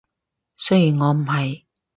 雖然我唔係